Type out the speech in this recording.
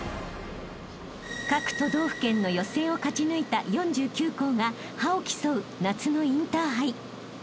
［各都道府県の予選を勝ち抜いた４９校が覇を競う夏のインターハイ］